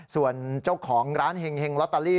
ส่วนเจ้าของร้านแห่งรอตาลี